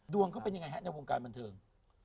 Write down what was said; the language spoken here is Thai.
เขาเป็นยังไงฮะในวงการบันเทิง